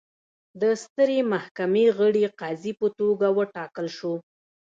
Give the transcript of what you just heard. د سترې محکمې غړي قاضي په توګه وټاکل شو.